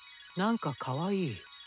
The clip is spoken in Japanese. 何かかわいい。